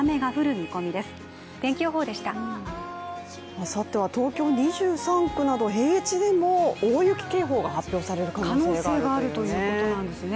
あさっては東京２３区など平地でも大雪警報が発表される可能性があるというね。